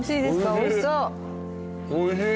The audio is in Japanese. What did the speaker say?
おいしい。